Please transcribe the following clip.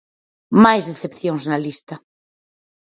Máis decepcións na lista.